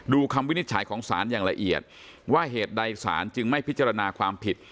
คำวินิจฉัยของศาลอย่างละเอียดว่าเหตุใดสารจึงไม่พิจารณาความผิด